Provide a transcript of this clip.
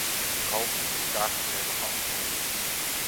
Ik hoop op uw vragen te hebben geantwoord.